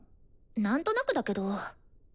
なんとなくだけど。